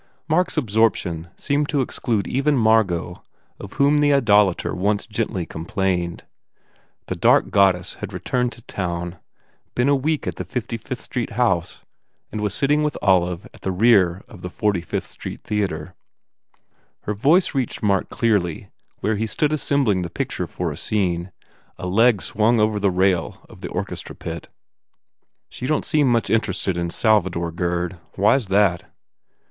Mark s absorption seemed to exclude even Margot of whom the idolater once gently com plained. The dark goddess had returned to town, been a week at the Fifty Fifth Street house and was sitting with Olive at the rear of the 45th Street Theatre. Her voice reached Mark clearly where he stood assembling the picture for a scene, a leg swung over the rail of the orchestra pit. "She don t seem so much interested in Sal vador, Gurd. Why s that?"